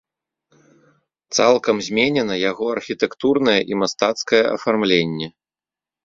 Цалкам зменена яго архітэктурнае і мастацкае афармленне.